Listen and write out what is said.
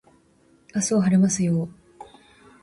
明日は晴れますよ